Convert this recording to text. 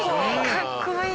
かっこいい。